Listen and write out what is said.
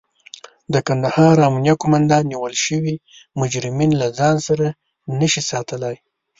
د کندهار امنيه قوماندان نيول شوي مجرمين له ځان سره نشي ساتلای.